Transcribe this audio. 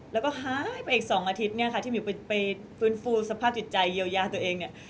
แล้วก็หายไปอีก๒อาทิตย์เนี่ยค่ะที่หมิวไปฟื้นฟูสภาพจิตใจเยียวยาตัวเองเนี่ย